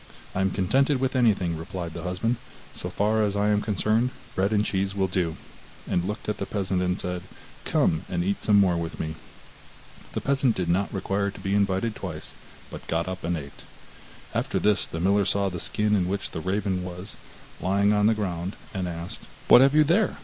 'I am contented with anything,' replied the husband, 'so far as I am concerned, bread and cheese will do,' and looked at the peasant and said: 'Come and eat some more with me.' The peasant did not require to be invited twice, but got up and ate. After this the miller saw the skin in which the raven was, lying on the ground, and asked: 'What have you there?